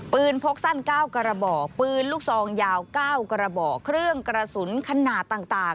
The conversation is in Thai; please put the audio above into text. ปืนพกสั้นเก้ากระบอกปืนลูกซองยาวเก้ากระบอกเครื่องกระสุนขนาดต่างต่าง